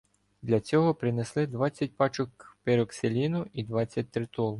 Для цього принесли двадцять пачок піроксиліну і двадцять тритолу.